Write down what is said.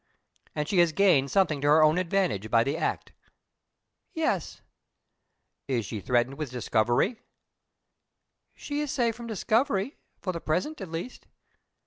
"And she has gained something to her own advantage by the act." "Yes." "Is she threatened with discovery?" "She is safe from discovery for the present, at least."